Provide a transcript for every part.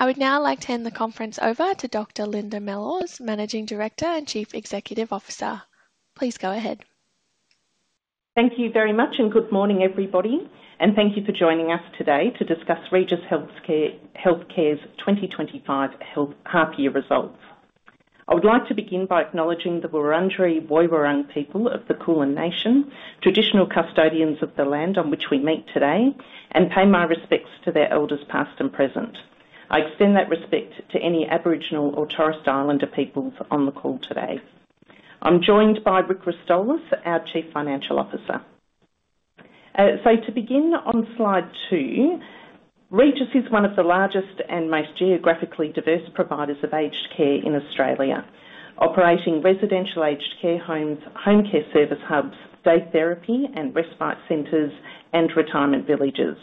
I would now like to hand the conference over to Dr. Linda Mellors, Managing Director and Chief Executive Officer. Please go ahead. Thank you very much, and good morning, everybody. Thank you for joining us today to discuss Regis Healthcare's 2025 half-year results. I would like to begin by acknowledging the Wurundjeri Woi-wurrung people of the Kulin Nation, traditional custodians of the land on which we meet today, and pay my respects to their elders past and present. I extend that respect to any Aboriginal or Torres Strait Islander peoples on the call today. I'm joined by Rick Rostolis, our Chief Financial Officer. To begin on slide two, Regis is one of the largest and most geographically diverse providers of aged care in Australia, operating residential aged care homes, home care service hubs, day therapy and respite centres, and retirement villages.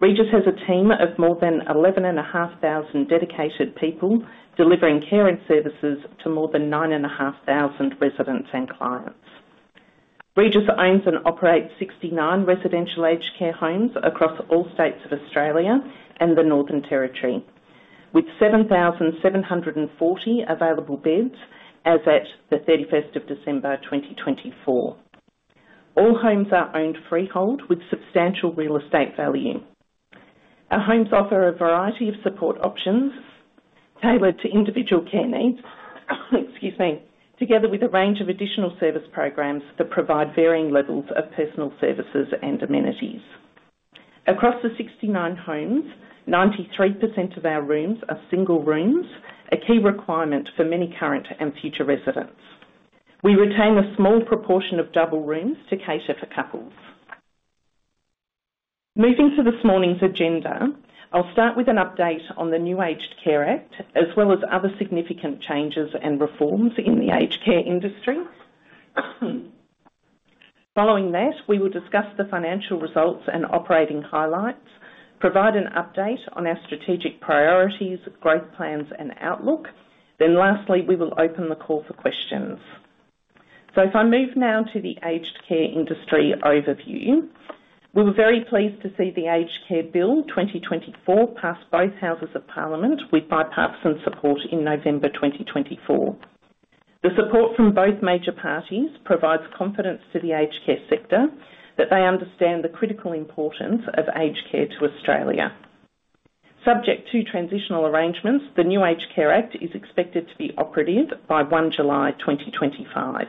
Regis has a team of more than 11,500 dedicated people delivering care and services to more than 9,500 residents and clients. Regis owns and operates 69 residential aged care homes across all states of Australia and the Northern Territory, with 7,740 available beds as at the 31st December 2024. All homes are owned freehold with substantial real estate value. Our homes offer a variety of support options tailored to individual care needs, excuse me, together with a range of additional service programs that provide varying levels of personal services and amenities. Across the 69 homes, 93% of our rooms are single rooms, a key requirement for many current and future residents. We retain a small proportion of double rooms to cater for couples. Moving to this morning's agenda, I'll start with an update on the new Aged Care Act, as well as other significant changes and reforms in the aged care industry. Following that, we will discuss the financial results and operating highlights, provide an update on our strategic priorities, growth plans, and outlook. Then lastly, we will open the call for questions. So, if I move now to the aged care industry overview, we were very pleased to see the Aged Care Bill 2024 pass both Houses of Parliament with bipartisan support in November 2024. The support from both major parties provides confidence to the aged care sector that they understand the critical importance of aged care to Australia. Subject to transitional arrangements, the new Aged Care Act is expected to be operative by 1st July 2025.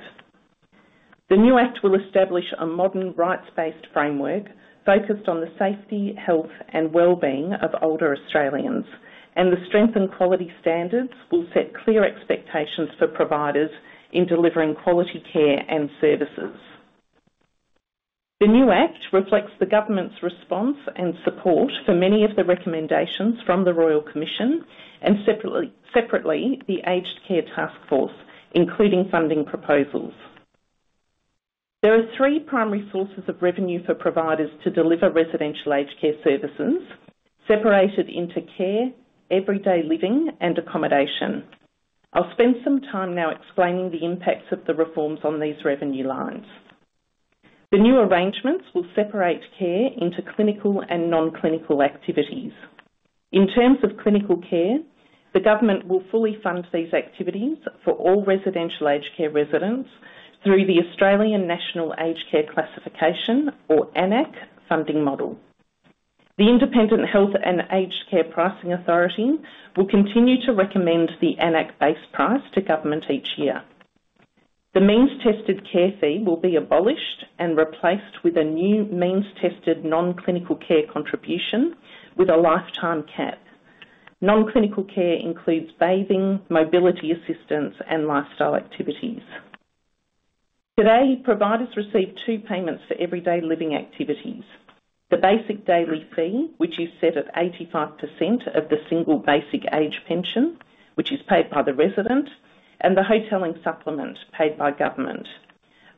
The new Act will establish a modern rights-based framework focused on the safety, health, and well-being of older Australians, and the strengthened quality standards will set clear expectations for providers in delivering quality care and services. The new Act reflects the government's response and support for many of the recommendations from the Royal Commission and separately the Aged Care Taskforce, including funding proposals. There are three primary sources of revenue for providers to deliver residential aged care services, separated into care, everyday living, and accommodation. I'll spend some time now explaining the impacts of the reforms on these revenue lines. The new arrangements will separate care into clinical and non-clinical activities. In terms of clinical care, the government will fully fund these activities for all residential aged care residents through the Australian National Aged Care Classification, or AN-ACC, funding model. The Independent Health and Aged Care Pricing Authority will continue to recommend the AN-ACC base price to government each year. The means-tested care fee will be abolished and replaced with a new means-tested non-clinical care contribution with a lifetime cap. Non-clinical care includes bathing, mobility assistance, and lifestyle activities. Today, providers receive two payments for everyday living activities: the basic daily fee, which is set at 85% of the single basic age pension, which is paid by the resident, and the hotelling supplement paid by government.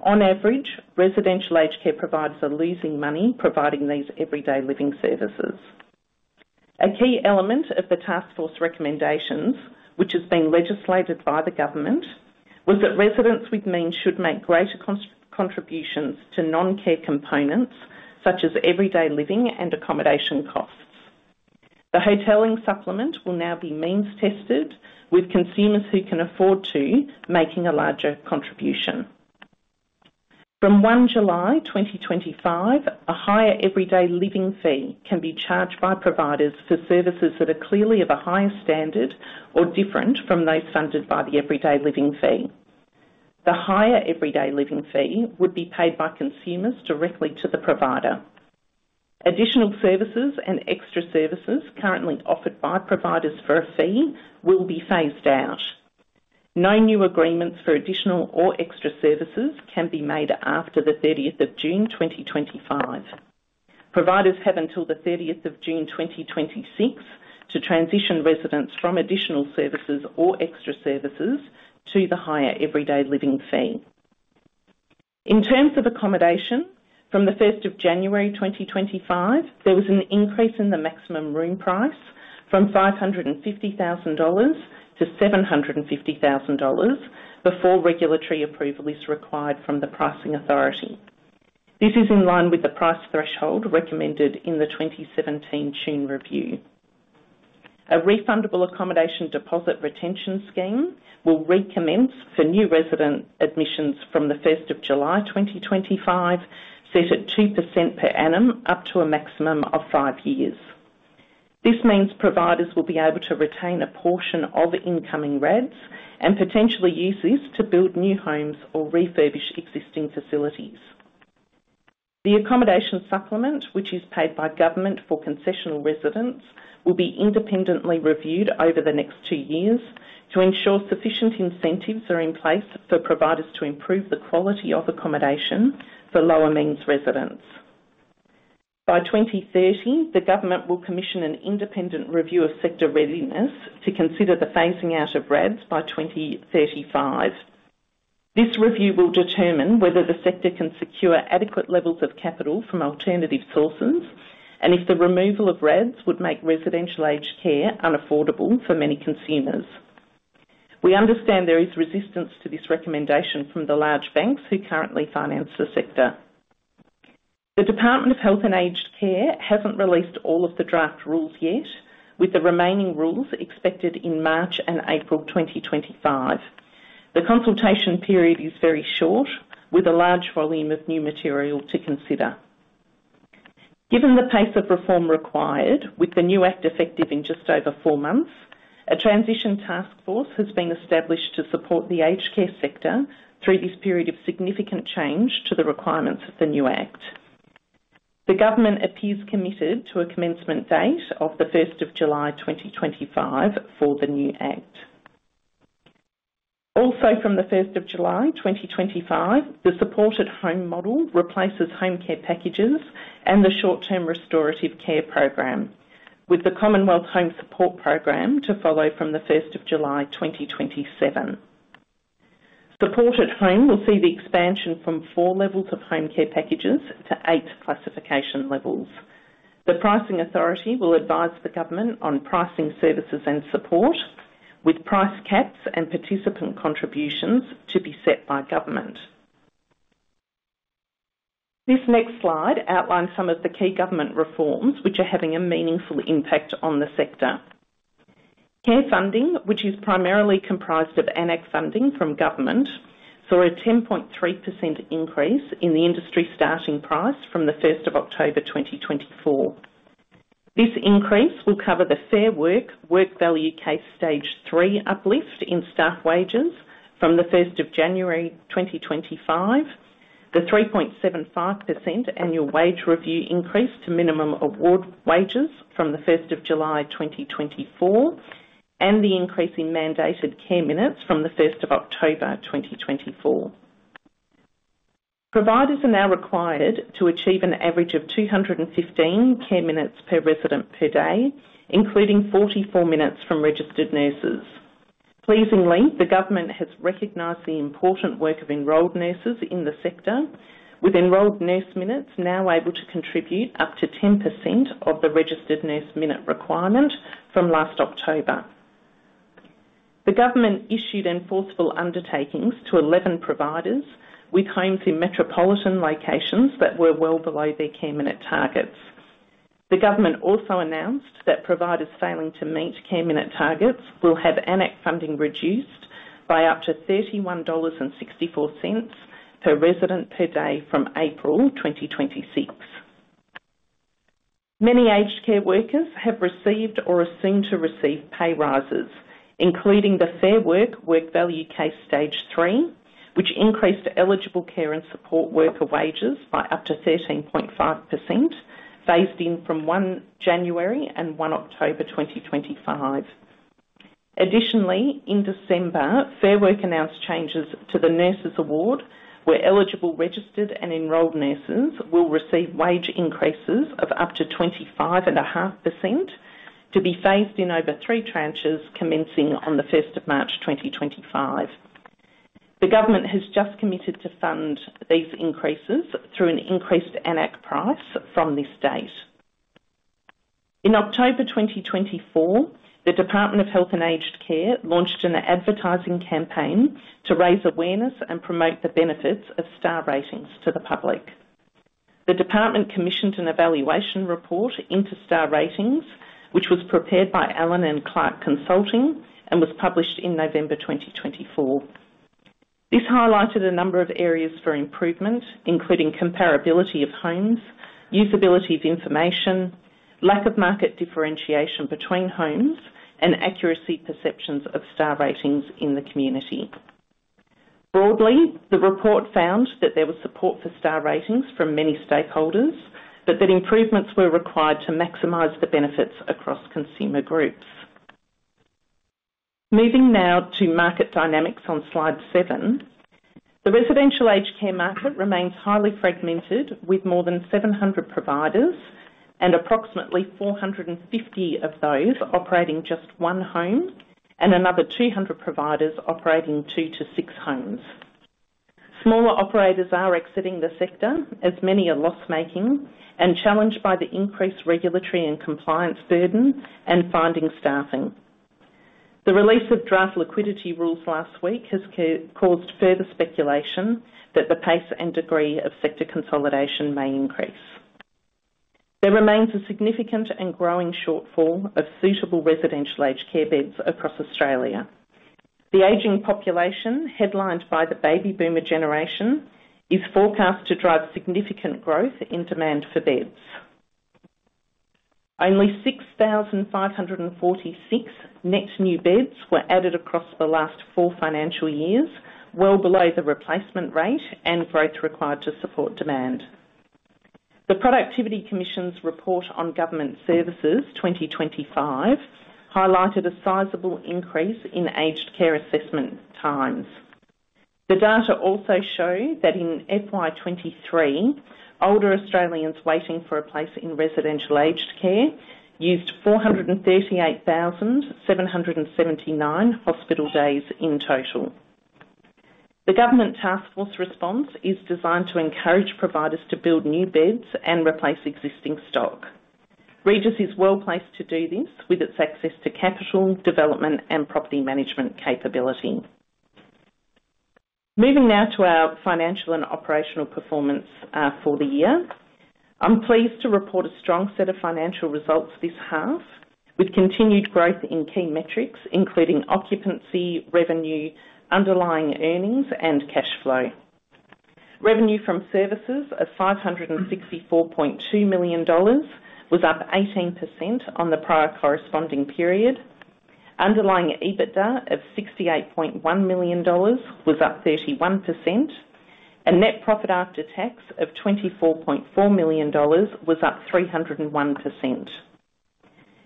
On average, residential aged care providers are losing money providing these everyday living services. A key element of the Task Force recommendations, which has been legislated by the government, was that residents with means should make greater contributions to non-care components such as everyday living and accommodation costs. The hotelling supplement will now be means-tested with consumers who can afford to, making a larger contribution. From 1st July 2025, a higher everyday living fee can be charged by providers for services that are clearly of a higher standard or different from those funded by the everyday living fee. The higher everyday living fee would be paid by consumers directly to the provider. Additional services and extra services currently offered by providers for a fee will be phased out. No new agreements for additional or extra services can be made after the 30th June 2025. Providers have until the 30 June 2026 to transition residents from additional services or extra services to the higher everyday living fee. In terms of accommodation, from the 1st January 2025, there was an increase in the maximum room price from 550,000-750,000 dollars before regulatory approval is required from the Pricing Authority. This is in line with the price threshold recommended in the 2017 June review. A refundable accommodation deposit retention scheme will recommence for new resident admissions from the 1st July 2025, set at 2% per annum up to a maximum of five years. This means providers will be able to retain a portion of incoming rents and potentially use this to build new homes or refurbish existing facilities. The accommodation supplement, which is paid by government for concessional residents, will be independently reviewed over the next two years to ensure sufficient incentives are in place for providers to improve the quality of accommodation for lower means residents. By 2030, the government will commission an independent review of sector readiness to consider the phasing out of rents by 2035. This review will determine whether the sector can secure adequate levels of capital from alternative sources and if the removal of rents would make residential aged care unaffordable for many consumers. We understand there is resistance to this recommendation from the large banks who currently finance the sector. The Department of Health and Aged Care hasn't released all of the draft rules yet, with the remaining rules expected in March and April 2025. The consultation period is very short, with a large volume of new material to consider. Given the pace of reform required, with the new Act effective in just over four months, a transition task force has been established to support the aged care sector through this period of significant change to the requirements of the new Act. The government appears committed to a commencement date of the 1st July 2025 for the new Act. Also, from the 1st July 2025, the Support at Home model replaces home care packages and the short-term restorative care program, with the Commonwealth Home Support Program to follow from the 1st July 2027. Support at Home will see the expansion from four levels of home care packages to eight classification levels. The Pricing Authority will advise the government on pricing services and support, with price caps and participant contributions to be set by government. This next slide outlines some of the key government reforms which are having a meaningful impact on the sector. Care funding, which is primarily comprised of AN-ACC funding from government, saw a 10.3% increase in the industry starting price from 1st October 2024. This increase will cover the Fair Work, Work Value Case Stage Three uplift in staff wages from 1st January 2025, the 3.75% Annual Wage Review increase to minimum award wages from 1st July 2024, and the increase in mandated care minutes from 1st October 2024. Providers are now required to achieve an average of 215 care minutes per resident per day, including 44 minutes from registered nurses. Pleasingly, the government has recognised the important work of enrolled nurses in the sector, with enrolled nurse minutes now able to contribute up to 10% of the registered nurse minute requirement from last October. The government issued enforceable undertakings to 11 providers with homes in metropolitan locations that were well below their care minute targets. The government also announced that providers failing to meet care minute targets will have AN-ACC funding reduced by up to 31.64 dollars per resident per day from April 2026. Many aged care workers have received or are soon to receive pay rises, including the Fair Work, Work Value Case Stage Three, which increased eligible care and support worker wages by up to 13.5%, phased in from 1 January and 1 October 2025. Additionally, in December, Fair Work announced changes to the Nurses Award, where eligible registered and enrolled nurses will receive wage increases of up to 25.5% to be phased in over three tranches commencing on the 1st of March 2025. The government has just committed to fund these increases through an increased AN-ACC price from this date. In October 2024, the Department of Health and Aged Care launched an advertising campaign to raise awareness and promote the benefits of star ratings to the public. The Department commissioned an evaluation report into Star Ratings, which was prepared by Allen + Clarke Consulting and was published in November 2024. This highlighted a number of areas for improvement, including comparability of homes, usability of information, lack of market differentiation between homes, and accuracy perceptions of star ratings in the community. Broadly, the report found that there was support for Star Ratings from many stakeholders, but that improvements were required to maximize the benefits across consumer groups. Moving now to market dynamics on slide seven, the residential aged care market remains highly fragmented, with more than 700 providers and approximately 450 of those operating just one home and another 200 providers operating two to six homes. Smaller operators are exiting the sector, as many are loss-making and challenged by the increased regulatory and compliance burden and finding staffing. The release of draft liquidity rules last week has caused further speculation that the pace and degree of sector consolidation may increase. There remains a significant and growing shortfall of suitable residential aged care beds across Australia. The aging population, headlined by the baby boomer generation, is forecast to drive significant growth in demand for beds. Only 6,546 net new beds were added across the last four financial years, well below the replacement rate and growth required to support demand. The Productivity Commission's report on government services 2025 highlighted a sizable increase in aged care assessment times. The data also show that in FY23, older Australians waiting for a place in residential aged care used 438,779 hospital days in total. The government task force response is designed to encourage providers to build new beds and replace existing stock. Regis is well placed to do this with its access to capital, development, and property management capability. Moving now to our financial and operational performance for the year, I'm pleased to report a strong set of financial results this half, with continued growth in key metrics, including occupancy, revenue, underlying earnings, and cash flow. Revenue from services of 564.2 million dollars was up 18% on the prior corresponding period. Underlying EBITDA of AUD 68.1 million was up 31%, and net profit after tax of AUD 24.4 million was up 301%.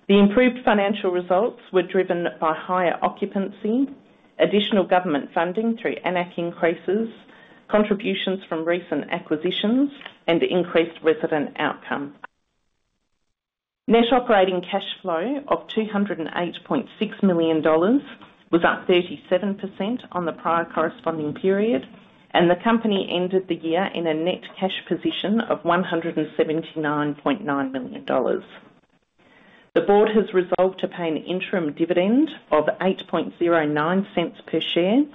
The improved financial results were driven by higher occupancy, additional government funding through AN-ACC increases, contributions from recent acquisitions, and increased resident outcome. Net operating cash flow of 208.6 million dollars was up 37% on the prior corresponding period, and the company ended the year in a net cash position of 179.9 million dollars. The board has resolved to pay an interim dividend of 0.0809 per share,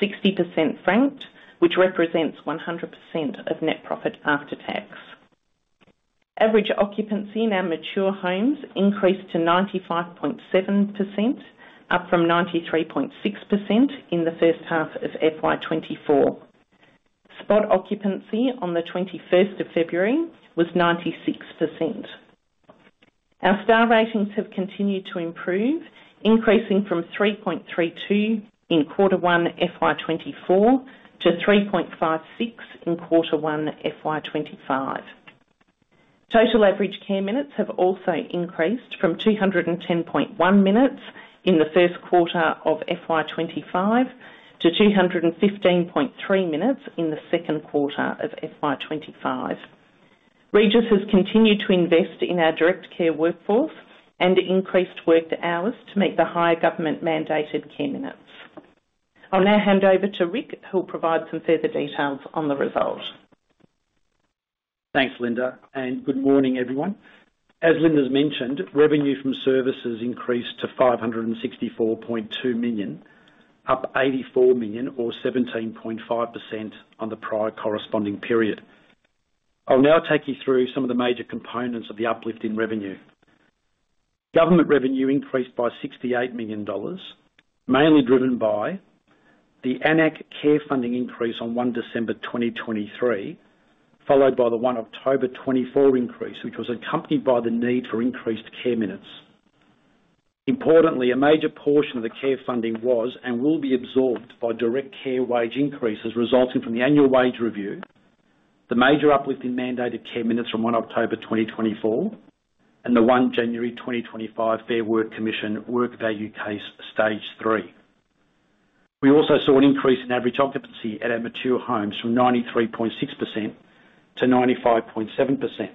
60% franked, which represents 100% of net profit after tax. Average occupancy in our mature homes increased to 95.7%, up from 93.6% in the first half of FY24. Spot occupancy on the 21st of February was 96%. Our Star Ratings have continued to improve, increasing from 3.32 in Q1 FY24 to 3.56 in Q1 FY25. Total average care minutes have also increased from 210.1 minutes in the Q1 of FY25 to 215.3 minutes in the Q2 of FY25. Regis has continued to invest in our direct care workforce and increased worked hours to meet the higher government-mandated care minutes. I'll now hand over to Rick, who will provide some further details on the result. Thanks, Linda, and good morning, everyone. As Linda's mentioned, revenue from services increased to 564.2 million, up 84 million or 17.5% on the prior corresponding period. I'll now take you through some of the major components of the uplift in revenue. Government revenue increased by 68 million dollars, mainly driven by the AN-ACC care funding increase on 1 December 2023, followed by the 1 October 2024 increase, which was accompanied by the need for increased care minutes. Importantly, a major portion of the care funding was and will be absorbed by direct care wage increases resulting from the Annual Wage Review, the major uplift in mandated care minutes from 1 October 2024, and the 1 January 2025 Fair Work Commission Work Value Case Stage Three. We also saw an increase in average occupancy at our mature homes from 93.6% to 95.7%.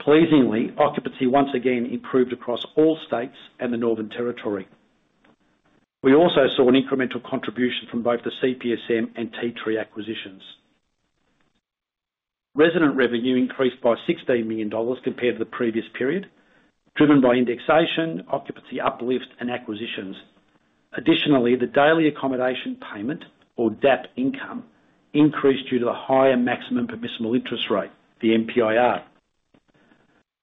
Pleasingly, occupancy once again improved across all states and the Northern Territory. We also saw an incremental contribution from both the CPSM and T3 acquisitions. Resident revenue increased by 16 million dollars compared to the previous period, driven by indexation, occupancy uplift, and acquisitions. Additionally, the daily accommodation payment, or DAP income, increased due to the higher maximum permissible interest rate, the MPIR.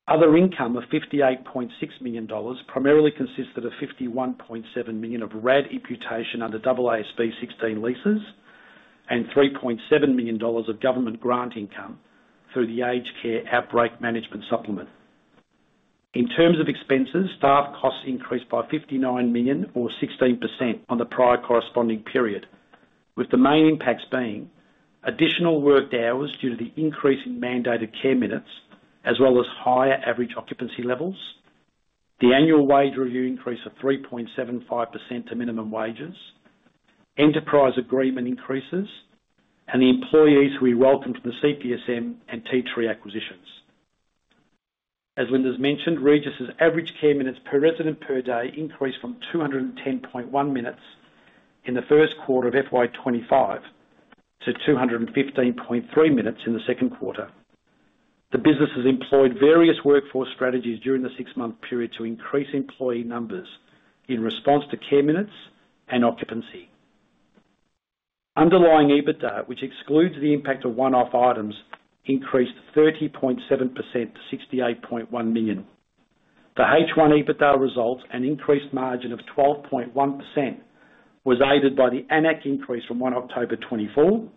Other income of 58.6 million dollars primarily consisted of 51.7 million of RAD imputation under AASB 16 Leases and 3.7 million dollars of government grant income through the Aged Care Outbreak Management Supplement. In terms of expenses, staff costs increased by 59 million, or 16%, on the prior corresponding period, with the main impacts being additional worked hours due to the increase in mandated care minutes, as well as higher average occupancy levels, the Annual Wage Review increase of 3.75% to minimum wages, enterprise agreement increases, and the employees who we welcomed from the CPSM and T3 acquisitions. As Linda has mentioned, Regis's average care minutes per resident per day increased from 210.1 minutes in the Q1 of FY25 to 215.3 minutes in the Q2. The business has employed various workforce strategies during the six-month period to increase employee numbers in response to care minutes and occupancy. Underlying EBITDA, which excludes the impact of one-off items, increased 30.7% to 68.1 million. The H1 EBITDA results and increased margin of 12.1% was aided by the AN-ACC increase from 1 October 2024,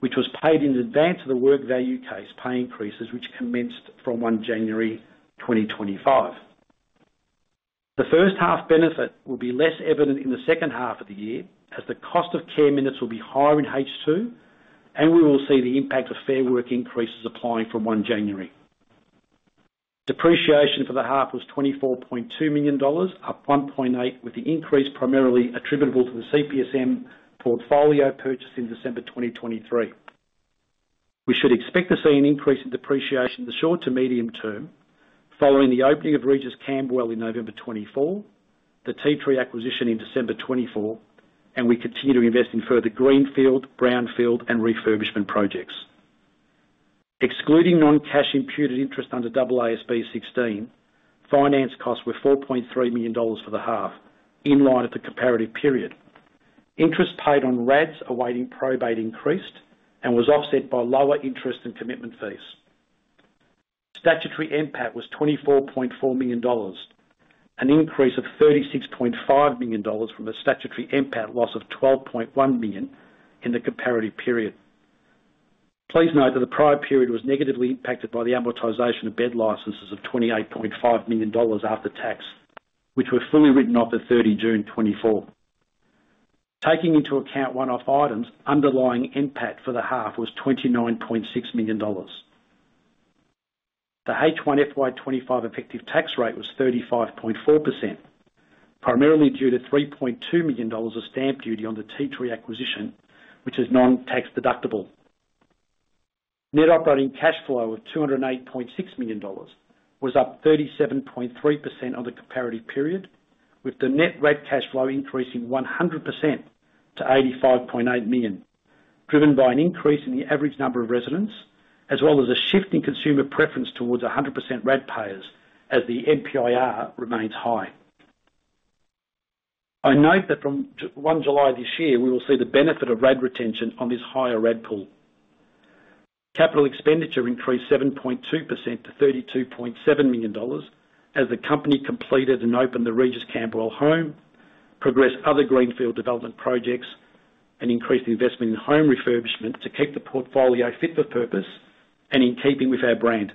which was paid in advance of the Work Value Case pay increases which commenced from 1 January 2025. The first half benefit will be less evident in the second half of the year, as the cost of care minutes will be higher in H2, and we will see the impact of Fair Work increases applying from 1 January. Depreciation for the half was 24.2 million dollars, up 1.8%, with the increase primarily attributable to the CPSM portfolio purchased in December 2023. We should expect to see an increase in depreciation in the short to medium term following the opening of Regis Camberwell in November 2024, the T3 acquisition in December 2024, and we continue to invest in further greenfield, brownfield, and refurbishment projects. Excluding non-cash imputed interest under AASB 16, finance costs were 4.3 million dollars for the half, in line with the comparative period. Interest paid on RADs awaiting probate increased and was offset by lower interest and commitment fees. Statutory NPAT was 24.4 million dollars, an increase of 36.5 million dollars from the statutory NPAT loss of 12.1 million in the comparative period. Please note that the prior period was negatively impacted by the amortization of bed licenses of 28.5 million dollars after tax, which were fully written off the 30 June 2024. Taking into account one-off items, underlying NPAT for the half was 29.6 million dollars. The H1 FY25 effective tax rate was 35.4%, primarily due to 3.2 million dollars of stamp duty on the T3 acquisition, which is non-tax deductible. Net operating cash flow of 208.6 million dollars was up 37.3% on the comparative period, with the net RAD cash flow increasing 100% to 85.8 million, driven by an increase in the average number of residents, as well as a shift in consumer preference towards 100% RAD payers as the MPIR remains high. I note that from 1 July this year, we will see the benefit of RAD retention on this higher RAD pool. Capital expenditure increased 7.2% to 32.7 million dollars as the company completed and opened the Regis Camberwell home, progressed other greenfield development projects, and increased investment in home refurbishment to keep the portfolio fit for purpose and in keeping with our brand.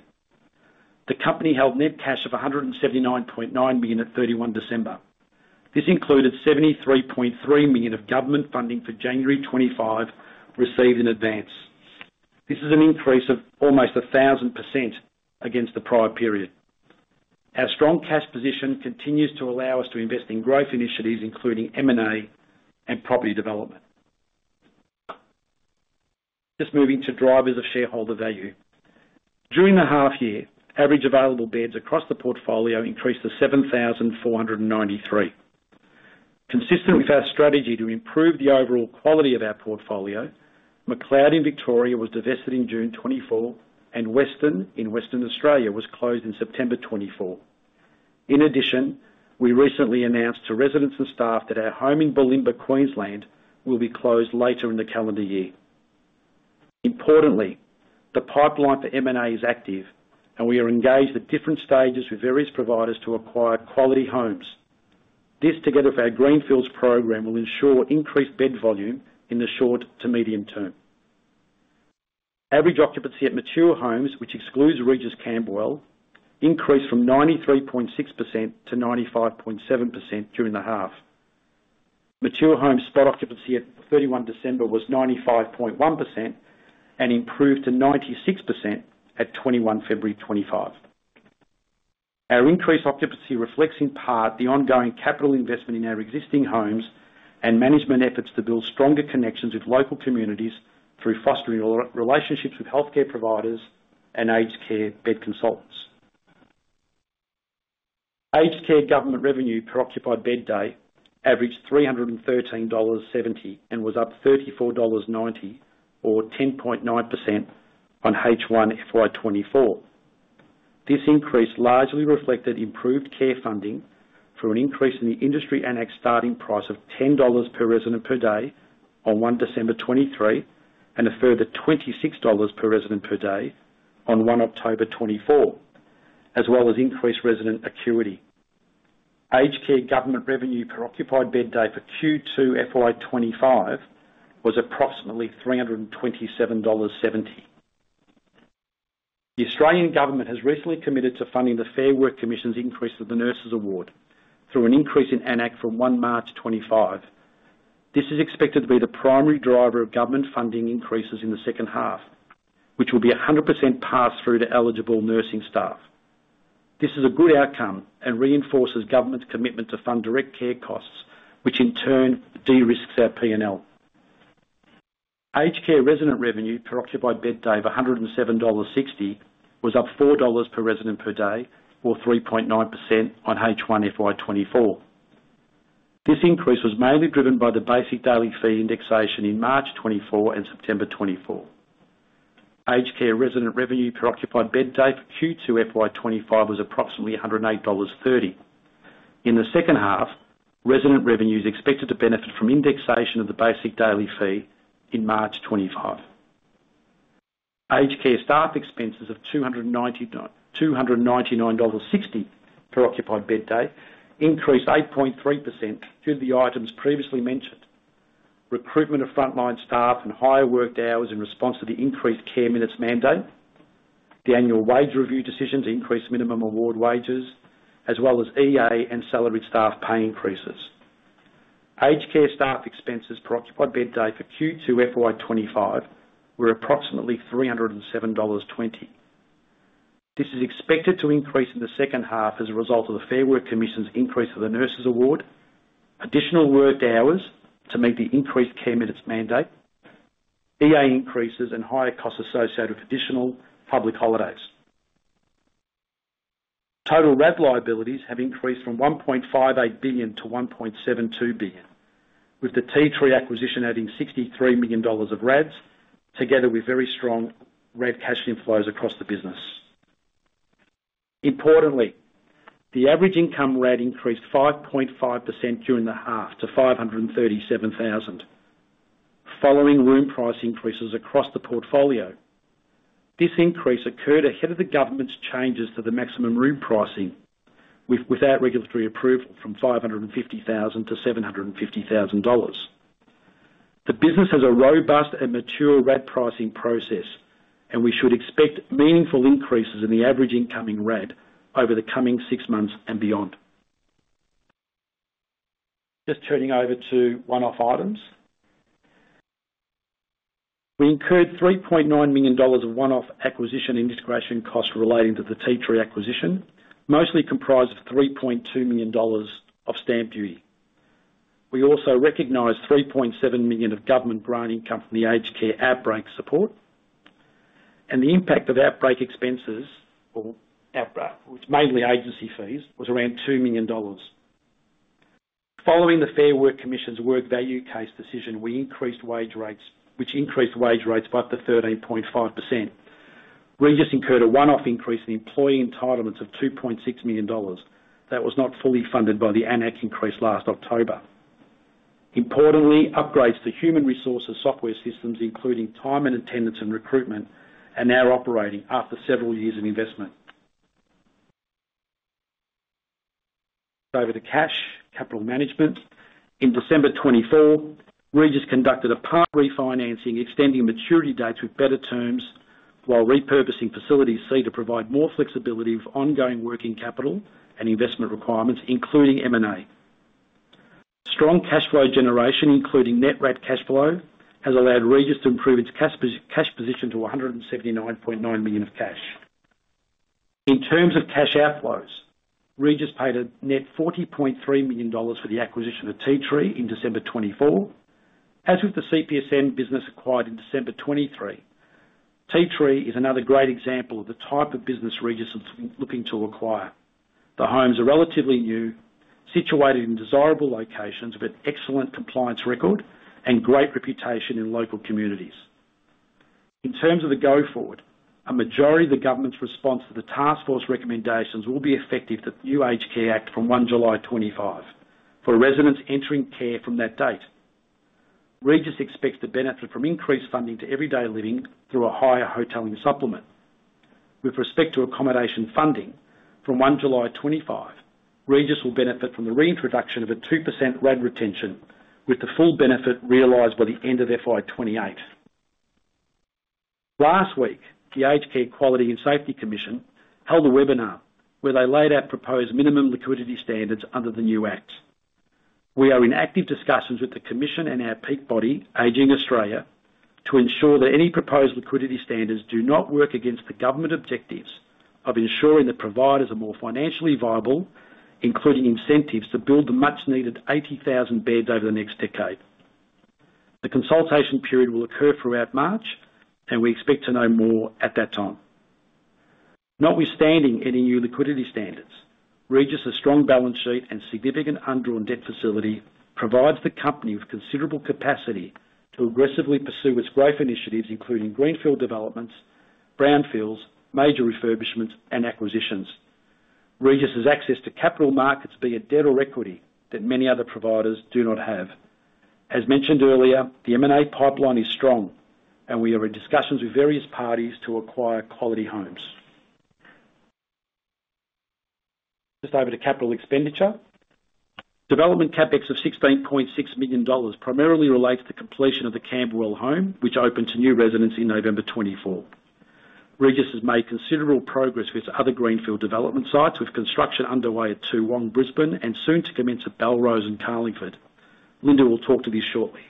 The company held net cash of 179.9 million at 31 December.This included 73.3 million of government funding for January 25 received in advance. This is an increase of almost 1,000% against the prior period. Our strong cash position continues to allow us to invest in growth initiatives, including M&A and property development. Just moving to drivers of shareholder value. During the half year, average available beds across the portfolio increased to 7,493. Consistent with our strategy to improve the overall quality of our portfolio, Macleod in Victoria was divested in June 2024, and Weston in Western Australia was closed in September 2024. In addition, we recently announced to residents and staff that our home in Bulimba, Queensland, will be closed later in the calendar year. Importantly, the pipeline for M&A is active, and we are engaged at different stages with various providers to acquire quality homes. This, together with our greenfields program, will ensure increased bed volume in the short to medium term. Average occupancy at mature homes, which excludes Regis Camberwell, increased from 93.6% to 95.7% during the half. Mature home spot occupancy at 31 December was 95.1% and improved to 96% at 21 February 2025. Our increased occupancy reflects in part the ongoing capital investment in our existing homes and management efforts to build stronger connections with local communities through fostering relationships with healthcare providers and aged care bed consultants. Aged care government revenue per occupied bed day averaged 313.70 dollars and was up 34.90 dollars, or 10.9% on H1 FY24. This increase largely reflected improved care funding through an increase in the industry AN-ACC starting price of 10 dollars per resident per day on 1 December 2023 and a further 26 dollars per resident per day on 1 October 2024, as well as increased resident acuity. Aged care government revenue per occupied bed day for Q2 FY25 was approximately 327.70 dollars. The Australian government has recently committed to funding the Fair Work Commission's increase of the Nurses Award through an increase in AN-ACC from 1 March 2025. This is expected to be the primary driver of government funding increases in the second half, which will be 100% passed through to eligible nursing staff. This is a good outcome and reinforces government's commitment to fund direct care costs, which in turn de-risks our P&L. Aged care resident revenue per occupied bed day of 107.60 dollars was up 4 dollars per resident per day, or 3.9% on H1 FY24. This increase was mainly driven by the basic daily fee indexation in March 2024 and September 2024. Aged care resident revenue per occupied bed day for Q2 FY25 was approximately 108.30 dollars. In the second half, resident revenues expected to benefit from indexation of the basic daily fee in March 2025. Aged care staff expenses of 299.60 dollars per occupied bed day increased 8.3% due to the items previously mentioned. Recruitment of frontline staff and higher worked hours in response to the increased care minutes mandate, the Annual Wage Review decision to increase minimum award wages, as well as EA and salaried staff pay increases. Aged care staff expenses per occupied bed day for Q2 FY25 were approximately 307.20 dollars. This is expected to increase in the second half as a result of the Fair Work Commission's increase of the Nurses Award, additional worked hours to meet the increased care minutes mandate, EA increases, and higher costs associated with additional public holidays. Total RAD liabilities have increased from 1.58 billion-1.72 billion, with the T3 acquisition adding 63 million dollars of RADs, together with very strong RAD cash inflows across the business. Importantly, the average income RAD increased 5.5% during the half to 537,000, following room price increases across the portfolio. This increase occurred ahead of the government's changes to the maximum room pricing, without regulatory approval, from 550,000-750,000 dollars. The business has a robust and mature RAD pricing process, and we should expect meaningful increases in the average incoming RAD over the coming six months and beyond. Just turning over to one-off items. We incurred 3.9 million dollars of one-off acquisition integration costs relating to the T3 acquisition, mostly comprised of 3.2 million dollars of stamp duty. We also recognized 3.7 million of government grant income from the aged care outbreak support, and the impact of outbreak expenses, which is mainly agency fees, was around 2 million dollars. Following the Fair Work Commission's Work Value Case decision, we increased wage rates, which increased wage rates by up to 13.5%. Regis incurred a one-off increase in employee entitlements of 2.6 million dollars. That was not fully funded by the AN-ACC increase last October. Importantly, upgrades to human resources software systems, including time and attendance and recruitment, are now operating after several years of investment. Over to cash capital management. In December 2024, Regis conducted a part refinancing, extending maturity dates with better terms while repurposing facility C to provide more flexibility with ongoing working capital and investment requirements, including M&A. Strong cash flow generation, including net RAD cash flow, has allowed Regis to improve its cash position to 179.9 million of cash. In terms of cash outflows, Regis paid a net 40.3 million dollars for the acquisition of T3 in December 2024, as with the CPSM business acquired in December 2023. T3 is another great example of the type of business Regis is looking to acquire. The homes are relatively new, situated in desirable locations with an excellent compliance record and great reputation in local communities. In terms of the going forward, a majority of the government's response to the task force recommendations will be effective with the new Aged Care Act from 1 July 2025 for residents entering care from that date. Regis expects to benefit from increased funding to everyday living through a higher Hotelling Supplement. With respect to accommodation funding from 1 July 2025, Regis will benefit from the reintroduction of a 2% RAD retention, with the full benefit realized by the end of FY28. Last week, the Aged Care Quality and Safety Commission held a webinar where they laid out proposed minimum liquidity standards under the new Act. We are in active discussions with the Commission and our peak body, Aged & Community Care Providers Association (ACCPA), to ensure that any proposed liquidity standards do not work against the government objectives of ensuring that providers are more financially viable, including incentives to build the much-needed 80,000 beds over the next decade. The consultation period will occur throughout March, and we expect to know more at that time. Notwithstanding any new liquidity standards, Regis's strong balance sheet and significant undrawn debt facility provide the company with considerable capacity to aggressively pursue its growth initiatives, including greenfield developments, brownfields, major refurbishments, and acquisitions. Regis has access to capital markets, be it debt or equity, that many other providers do not have. As mentioned earlier, the M&A pipeline is strong, and we are in discussions with various parties to acquire quality homes. Just over to capital expenditure. Development CapEx of 16.6 million dollars primarily relates to completion of the Camberwell home, which opened to new residents in November 2024. Regis has made considerable progress with other greenfield development sites, with construction underway at Toowong, Brisbane and soon to commence at Belrose and Carlingford. Linda will talk to this shortly.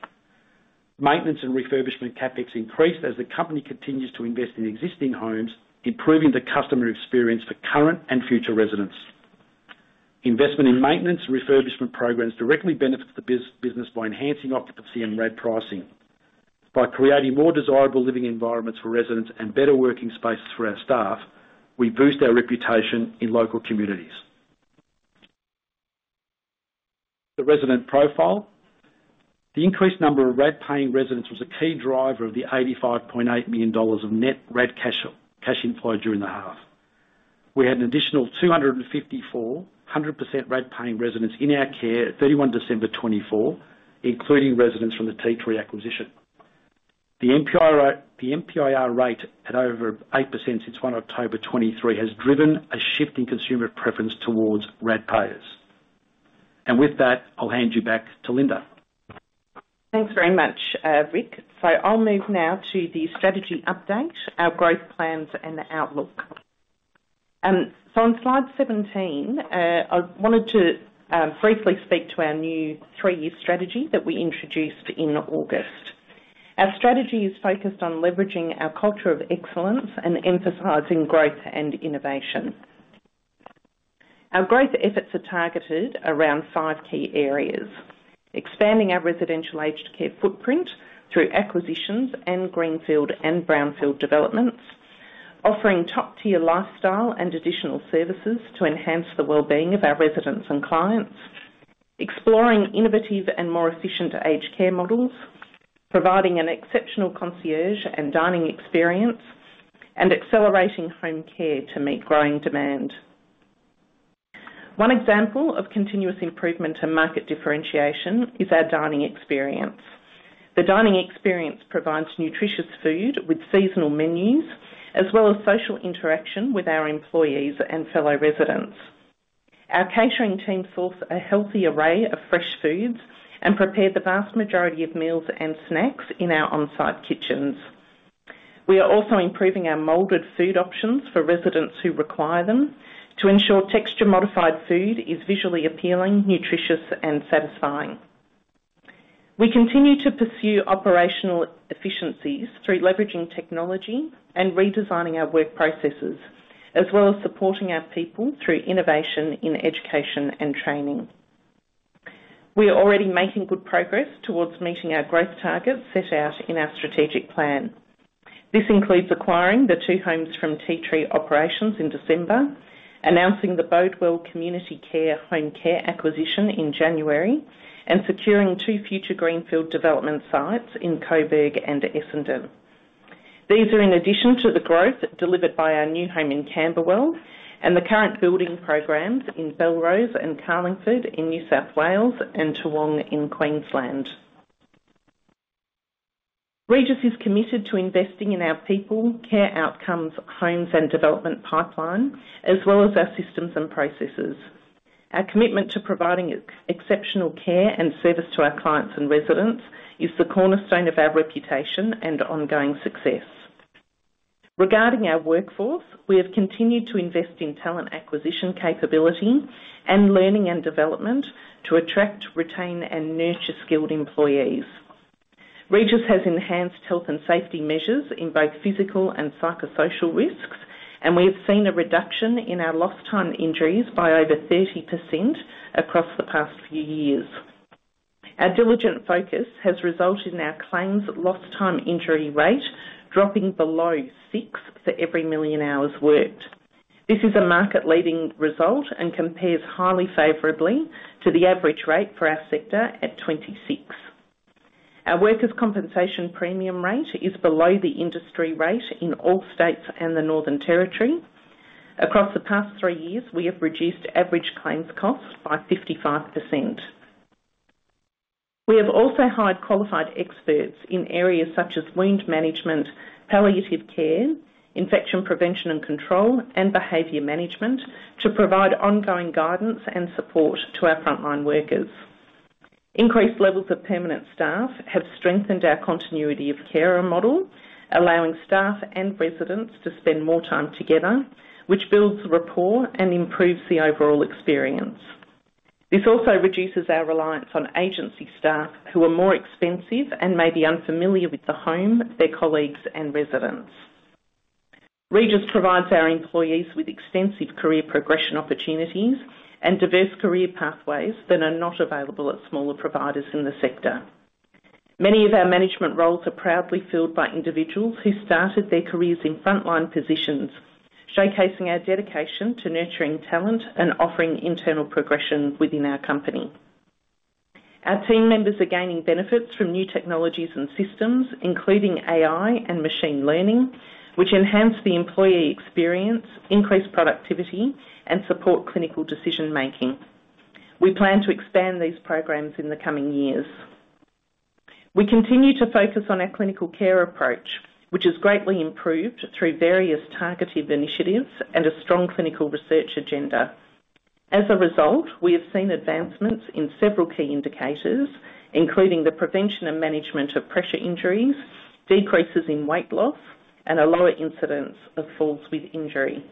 Maintenance and refurbishment CapEx increased as the company continues to invest in existing homes, improving the customer experience for current and future residents. Investment in maintenance and refurbishment programs directly benefits the business by enhancing occupancy and RAD pricing. By creating more desirable living environments for residents and better working spaces for our staff, we boost our reputation in local communities. The resident profile. The increased number of RAD-paying residents was a key driver of the 85.8 million dollars of net RAD cash inflow during the half. We had an additional 254 100% RAD-paying residents in our care at 31 December 2024, including residents from the T3 acquisition. The MPIR rate at over 8% since 1 October 2023 has driven a shift in consumer preference towards RAD payers. And with that, I'll hand you back to Linda. Thanks very much, Rick. So I'll move now to the strategy update, our growth plans and outlook. So on slide 17, I wanted to briefly speak to our new three-year strategy that we introduced in August. Our strategy is focused on leveraging our culture of excellence and emphasizing growth and innovation. Our growth efforts are targeted around five key areas: expanding our residential aged care footprint through acquisitions and greenfield and brownfield developments, offering top-tier lifestyle and additional services to enhance the well-being of our residents and clients, exploring innovative and more efficient aged care models, providing an exceptional concierge and dining experience, and accelerating home care to meet growing demand. One example of continuous improvement and market differentiation is our dining experience. The dining experience provides nutritious food with seasonal menus, as well as social interaction with our employees and fellow residents. Our catering team sources a healthy array of fresh foods and prepares the vast majority of meals and snacks in our on-site kitchens. We are also improving our molded food options for residents who require them to ensure texture-modified food is visually appealing, nutritious, and satisfying. We continue to pursue operational efficiencies through leveraging technology and redesigning our work processes, as well as supporting our people through innovation in education and training. We are already making good progress towards meeting our growth targets set out in our strategic plan. This includes acquiring the two homes from T3 operations in December, announcing the Bodwell Community Care Home Care acquisition in January, and securing two future greenfield development sites in Coburg and Essendon. These are in addition to the growth delivered by our new home in Camberwell and the current building programs in Belrose and Carlingford in New South Wales and Toowong in Queensland. Regis is committed to investing in our people, care outcomes, homes, and development pipeline, as well as our systems and processes. Our commitment to providing exceptional care and service to our clients and residents is the cornerstone of our reputation and ongoing success. Regarding our workforce, we have continued to invest in talent acquisition capability and learning and development to attract, retain, and nurture skilled employees. Regis has enhanced health and safety measures in both physical and psychosocial risks, and we have seen a reduction in our lost-time injuries by over 30% across the past few years. Our diligent focus has resulted in our claims lost-time injury rate dropping below six for every million hours worked. This is a market-leading result and compares highly favorably to the average rate for our sector at 26. Our workers' compensation premium rate is below the industry rate in all states and the Northern Territory. Across the past three years, we have reduced average claims costs by 55%. We have also hired qualified experts in areas such as wound management, palliative care, infection prevention and control, and behavior management to provide ongoing guidance and support to our frontline workers. Increased levels of permanent staff have strengthened our continuity of care model, allowing staff and residents to spend more time together, which builds rapport and improves the overall experience. This also reduces our reliance on agency staff, who are more expensive and may be unfamiliar with the home, their colleagues, and residents. Regis provides our employees with extensive career progression opportunities and diverse career pathways that are not available at smaller providers in the sector. Many of our management roles are proudly filled by individuals who started their careers in frontline positions, showcasing our dedication to nurturing talent and offering internal progression within our company. Our team members are gaining benefits from new technologies and systems, including AI and machine learning, which enhance the employee experience, increase productivity, and support clinical decision-making. We plan to expand these programs in the coming years. We continue to focus on our clinical care approach, which has greatly improved through various targeted initiatives and a strong clinical research agenda. As a result, we have seen advancements in several key indicators, including the prevention and management of pressure injuries, decreases in weight loss, and a lower incidence of falls with injury.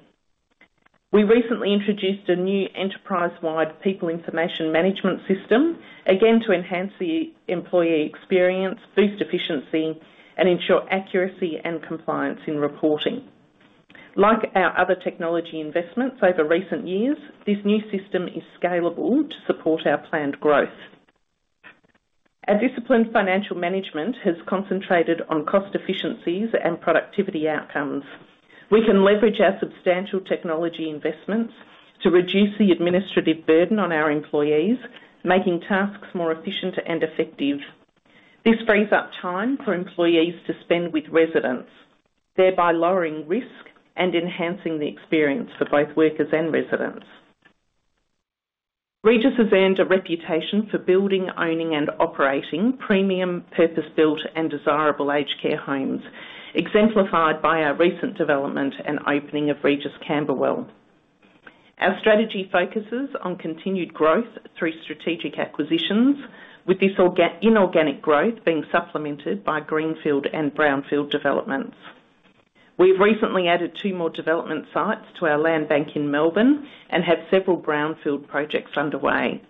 We recently introduced a new enterprise-wide people information management system, again to enhance the employee experience, boost efficiency, and ensure accuracy and compliance in reporting. Like our other technology investments over recent years, this new system is scalable to support our planned growth. Our disciplined financial management has concentrated on cost efficiencies and productivity outcomes. We can leverage our substantial technology investments to reduce the administrative burden on our employees, making tasks more efficient and effective. This frees up time for employees to spend with residents, thereby lowering risk and enhancing the experience for both workers and residents. Regis has earned a reputation for building, owning, and operating premium purpose-built and desirable aged care homes, exemplified by our recent development and opening of Regis Camberwell. Our strategy focuses on continued growth through strategic acquisitions, with this inorganic growth being supplemented by greenfield and brownfield developments. We have recently added two more development sites to our land bank in Melbourne and have several brownfield projects underway.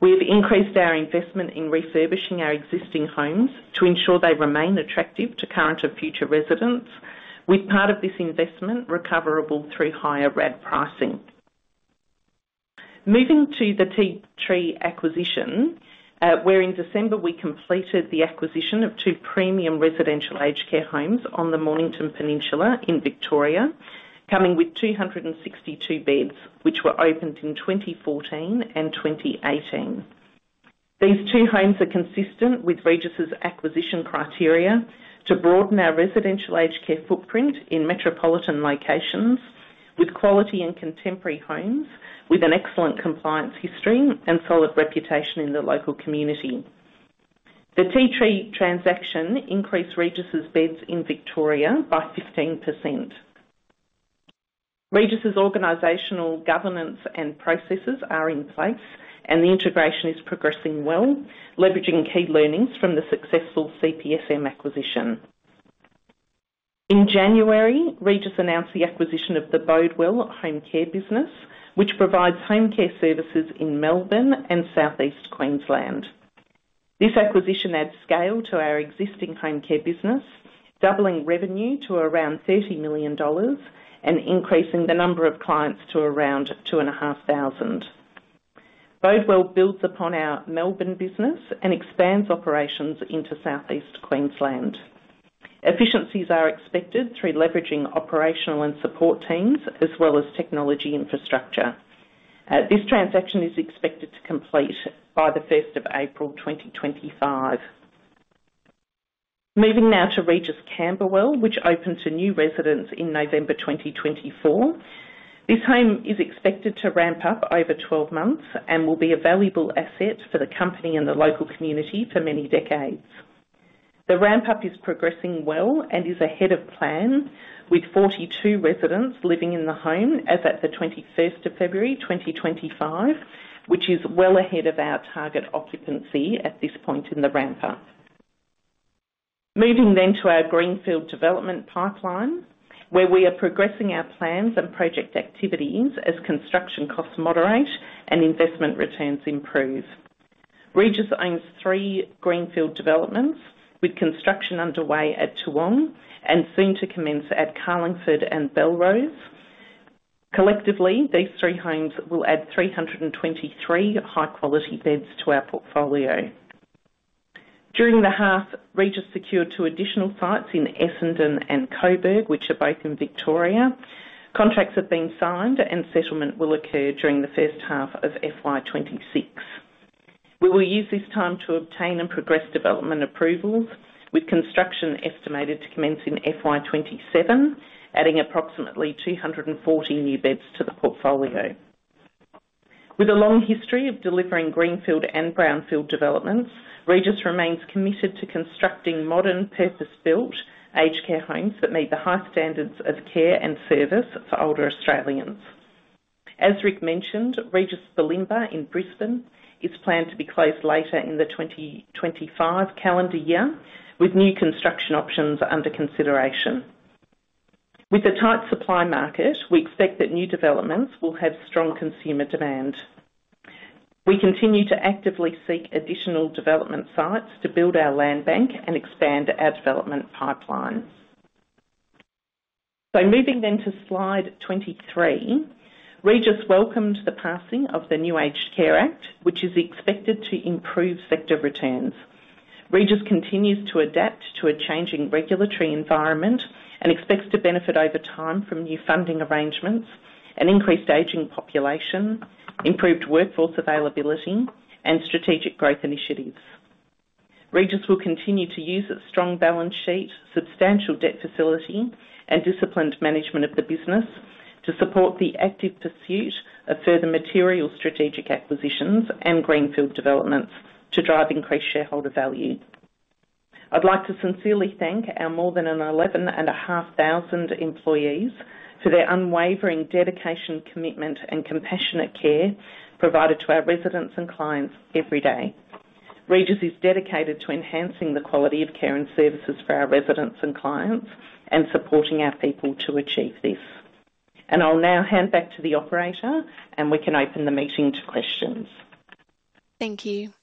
We have increased our investment in refurbishing our existing homes to ensure they remain attractive to current and future residents, with part of this investment recoverable through higher RAD pricing. Moving to the T3 acquisition, where in December we completed the acquisition of two premium residential aged care homes on the Mornington Peninsula in Victoria, coming with 262 beds, which were opened in 2014 and 2018. These two homes are consistent with Regis's acquisition criteria to broaden our residential aged care footprint in metropolitan locations with quality and contemporary homes, with an excellent compliance history and solid reputation in the local community. The T3 transaction increased Regis's beds in Victoria by 15%. Regis's organizational governance and processes are in place, and the integration is progressing well, leveraging key learnings from the successful CPSM acquisition. In January, Regis announced the acquisition of the Bodwell Home Care business, which provides home care services in Melbourne and southeast Queensland. This acquisition adds scale to our existing home care business, doubling revenue to around 30 million dollars and increasing the number of clients to around 2,500. Bodwell builds upon our Melbourne business and expands operations into South East Queensland. Efficiencies are expected through leveraging operational and support teams, as well as technology infrastructure. This transaction is expected to complete by the 1st April 2025. Moving now to Regis Camberwell, which opened to new residents in November 2024. This home is expected to ramp up over 12 months and will be a valuable asset for the company and the local community for many decades. The ramp-up is progressing well and is ahead of plan, with 42 residents living in the home as of 21st February 2025, which is well ahead of our target occupancy at this point in the ramp-up. Moving then to our greenfield development pipeline, where we are progressing our plans and project activities as construction costs moderate and investment returns improve. Regis owns three greenfield developments, with construction underway at Toowong and soon to commence at Carlingford and Belrose. Collectively, these three homes will add 323 high-quality beds to our portfolio. During the half, Regis secured two additional sites in Essendon and Coburg, which are both in Victoria. Contracts have been signed, and settlement will occur during the first half of FY26. We will use this time to obtain and progress development approvals, with construction estimated to commence in FY27, adding approximately 240 new beds to the portfolio. With a long history of delivering greenfield and brownfield developments, Regis remains committed to constructing modern purpose-built aged care homes that meet the high standards of care and service for older Australians. As Rick mentioned, Regis Bulimba in Brisbane is planned to be closed later in the 2025 calendar year, with new construction options under consideration. With a tight supply market, we expect that new developments will have strong consumer demand. We continue to actively seek additional development sites to build our land bank and expand our development pipelines. So moving then to slide 23, Regis welcomed the passing of the new Aged Care Act, which is expected to improve sector returns. Regis continues to adapt to a changing regulatory environment and expects to benefit over time from new funding arrangements, an increased aging population, improved workforce availability, and strategic growth initiatives. Regis will continue to use its strong balance sheet, substantial debt facility, and disciplined management of the business to support the active pursuit of further material strategic acquisitions and greenfield developments to drive increased shareholder value. I'd like to sincerely thank our more than 11,500 employees for their unwavering dedication, commitment, and compassionate care provided to our residents and clients every day. Regis is dedicated to enhancing the quality of care and services for our residents and clients and supporting our people to achieve this. I'll now hand back to the operator, and we can open the meeting to questions. Thank you.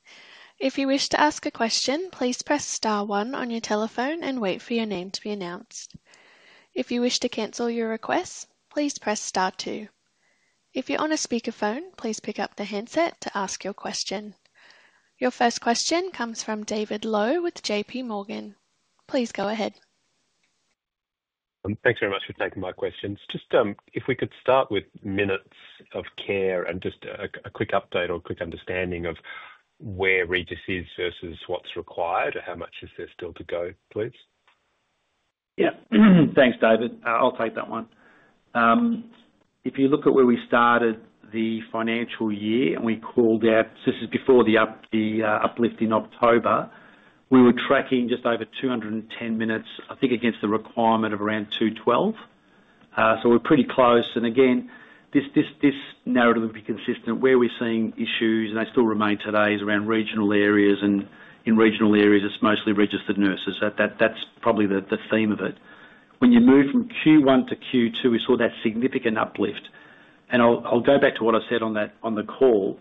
If you wish to ask a question, please press Star one on your telephone and wait for your name to be announced. If you wish to cancel your request, please press Star two. If you're on a speakerphone, please pick up the handset to ask your question. Your first question comes from David Low with JPMorgan. Please go ahead. Thanks very much for taking my questions. Just if we could start with minutes of care and just a quick update or a quick understanding of where Regis is versus what's required, how much is there still to go, please? Yeah. Thanks, David. I'll take that one. If you look at where we started the financial year and we called out, so this is before the uplift in October, we were tracking just over 210 minutes, I think against the requirement of around 212. So we're pretty close, and again, this narrative would be consistent. Where we're seeing issues, and they still remain today, is around regional areas, and in regional areas, it's mostly registered nurses. That's probably the theme of it. When you move from Q1 to Q2, we saw that significant uplift. And I'll go back to what I said on the call,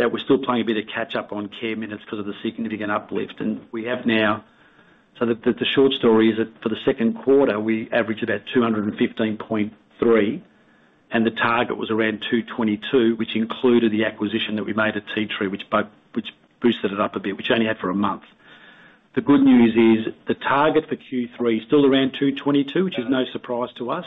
that we're still playing a bit of catch-up on care minutes because of the significant uplift. And we have now, so the short story is that for Q2, we averaged about 215.3, and the target was around 222, which included the acquisition that we made at T3, which boosted it up a bit, which only had for a month. The good news is the target for Q3 is still around 222, which is no surprise to us,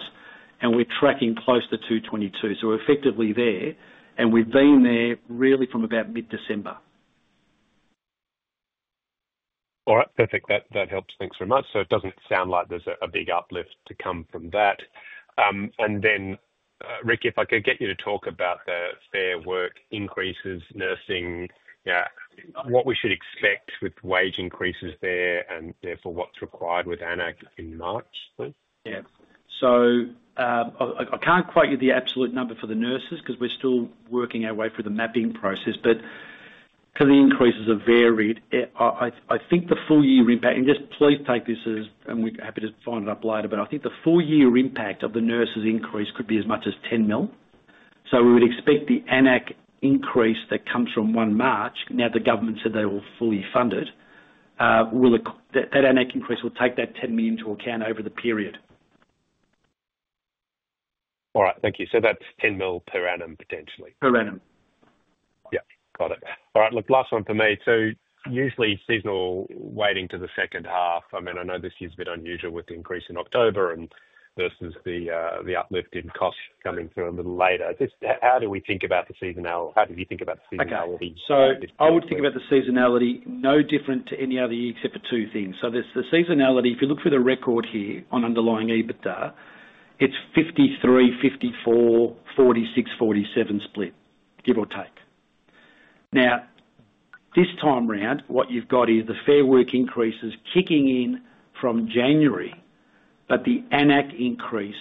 and we're tracking close to 222. So we're effectively there, and we've been there really from about mid-December. All right. Perfect. That helps. Thanks very much. So it doesn't sound like there's a big uplift to come from that. Then, Rick, if I could get you to talk about the Fair Work increases, nursing, what we should expect with wage increases there, and therefore what's required with AN-ACC in March, please? Yeah. So I can't quote you the absolute number for the nurses because we're still working our way through the mapping process. But because the increases are varied, I think the full year impact, and just please take this as, and we're happy to follow it up later, but I think the full year impact of the nurses' increase could be as much as 10 million. So we would expect the AN-ACC increase that comes from 1 March, now the government said they will fully fund it, that AN-ACC increase will take that 10 million into account over the period. All right. Thank you. So that's 10 million per annum potentially. Per annum. Yeah. Got it. All right. Look, last one for me. So usually seasonally weighted to the second half. I mean, I know this year's a bit unusual with the increase in October versus the uplift in costs coming through a little later. How do we think about the seasonality? How did you think about the seasonality? So I would think about the seasonality no different to any other year except for two things. So the seasonality, if you look through the record here on underlying EBITDA, it's 53, 54, 46, 47 split, give or take. Now, this time around, what you've got is the Fair Work increases kicking in from January, but the AN-ACC increase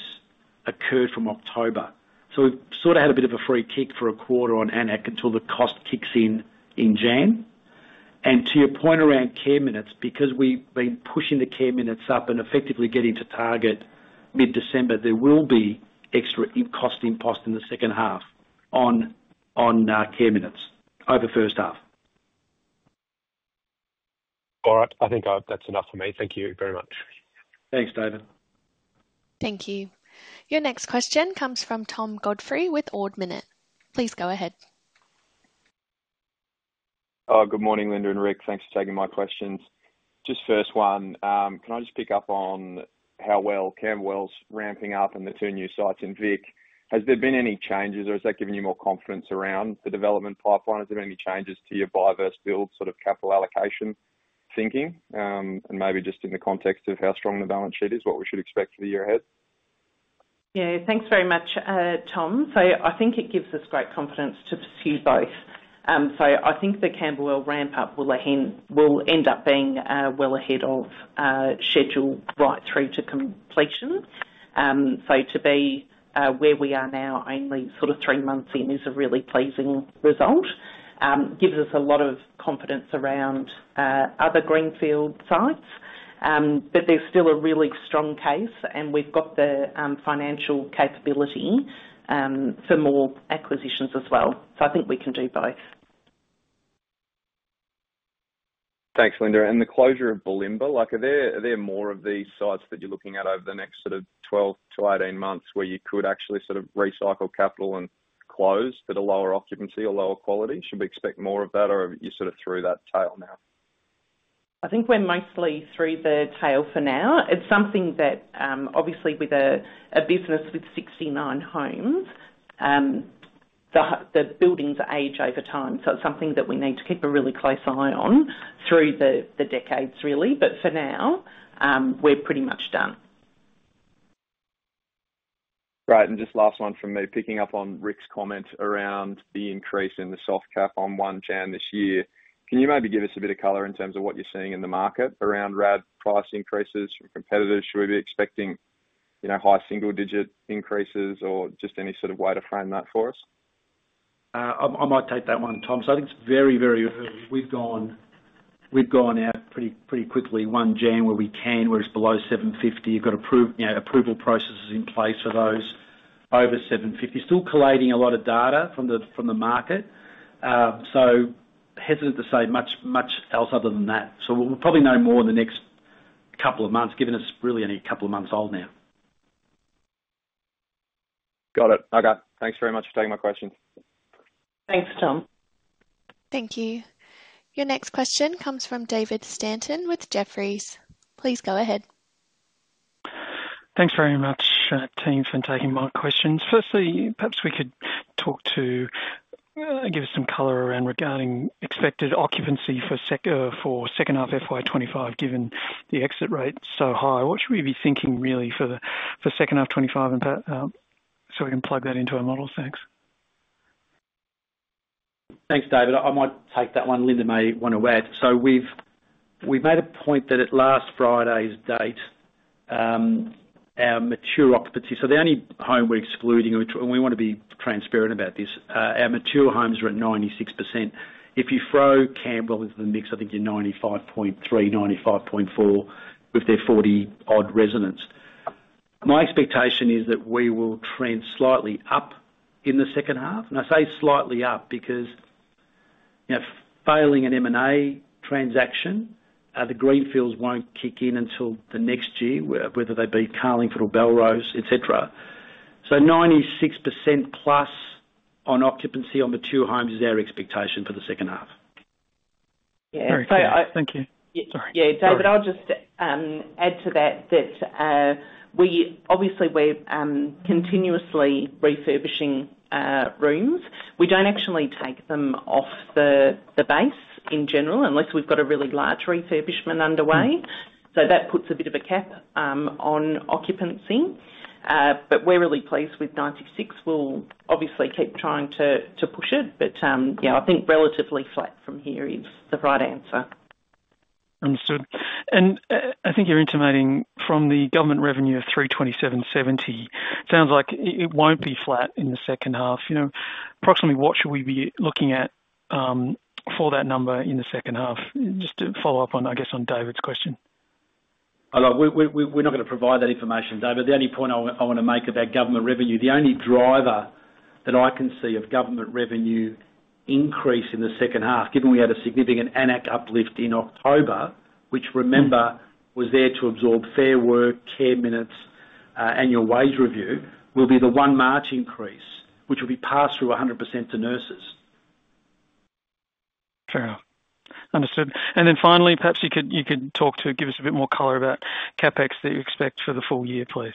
occurred from October. So we've sort of had a bit of a free kick for a quarter on AN-ACC until the cost kicks in in January. And to your point around care minutes, because we've been pushing the care minutes up and effectively getting to target mid-December, there will be extra cost impost in the second half on care minutes over first half. All right. I think that's enough for me. Thank you very much. Thanks, David. Thank you. Your next question comes from Tom Godfrey with Ord Minnett. Please go ahead. Good morning, Linda and Rick. Thanks for taking my questions. Just first one, can I just pick up on how well Camberwell's ramping up and the two new sites in Vic? Has there been any changes, or has that given you more confidence around the development pipeline? Has there been any changes to your buy-versus build sort of capital allocation thinking? And maybe just in the context of how strong the balance sheet is, what we should expect for the year ahead? Yeah. Thanks very much, Tom. So I think it gives us great confidence to pursue both. So I think the Camberwell ramp-up will end up being well ahead of schedule right through to completion. So to be where we are now, only sort of three months in, is a really pleasing result. It gives us a lot of confidence around other greenfield sites, but there's still a really strong case, and we've got the financial capability for more acquisitions as well. So I think we can do both. Thanks, Linda. And the closure of Bulimba, are there more of these sites that you're looking at over the next sort of 12-18 months where you could actually sort of recycle capital and close to the lower occupancy or lower quality? Should we expect more of that, or are you sort of through that tail now? I think we're mostly through the tail for now. It's something that, obviously, with a business with 69 homes, the buildings age over time. So it's something that we need to keep a really close eye on through the decades, really. But for now, we're pretty much done. Right. And just last one from me, picking up on Rick's comment around the increase in the soft cap on one channel this year. Can you maybe give us a bit of color in terms of what you're seeing in the market around RAD price increases from competitors? Should we be expecting high single-digit increases or just any sort of way to frame that for us? I might take that one, Tom. So I think it's very, very early. We've gone out pretty quickly. One channel where we can, where it's below 750, you've got approval processes in place for those over 750. Still collating a lot of data from the market. So hesitant to say much else other than that. So we'll probably know more in the next couple of months, given it's really only a couple of months old now. Got it. Okay. Thanks very much for taking my questions. Thanks, Tom. Thank you. Your next question comes from David Stanton with Jefferies. Please go ahead. Thanks very much, team, for taking my questions. Firstly, perhaps we could talk to give us some color around regarding expected occupancy for second half FY25, given the exit rate so high. What should we be thinking, really, for second half of 2025? So we can plug that into our models. Thanks. Thanks, David. I might take that one. Linda may want to add. So we've made a point that at last Friday's date, our mature occupancy, so the only home we're excluding, and we want to be transparent about this, our mature homes are at 96%. If you throw Camberwell into the mix, I think you're 95.3, 95.4 with their 40-odd residents. My expectation is that we will trend slightly up in the second half. I say slightly up because failing an M&A transaction, the greenfields won't kick in until the next year, whether they be Carlingford or Belrose, etc. So 96% plus on occupancy on mature homes is our expectation for the second half. Yeah. Thank you. Sorry. Yeah. David, I'll just add to that that obviously we're continuously refurbishing rooms. We don't actually take them off the base in general unless we've got a really large refurbishment underway. So that puts a bit of a cap on occupancy. But we're really pleased with 96%. We'll obviously keep trying to push it. But yeah, I think relatively flat from here is the right answer. Understood. And I think you're intimating from the government revenue of 327.70, it sounds like it won't be flat in the second half. Approximately, what should we be looking at for that number in the second half? Just to follow up on, I guess, on David's question. We're not going to provide that information, David. The only point I want to make about government revenue, the only driver that I can see of government revenue increase in the second half, given we had a significant AN-ACC uplift in October, which, remember, was there to absorb Fair Work, care minutes, Annual Wage Review, will be the one March increase, which will be passed through 100% to nurses. Fair enough. Understood. Then finally, perhaps you could talk to give us a bit more color about CapEx that you expect for the full year, please.